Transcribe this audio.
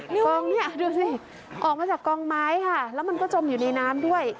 กองนี้ดูสิออกมาจากกองไม้ค่ะแล้วมันก็จมอยู่ในน้ำด้วย